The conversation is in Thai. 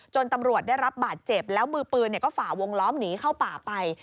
ตำรวจได้รับบาดเจ็บแล้วมือปืนก็ฝ่าวงล้อมหนีเข้าป่าไป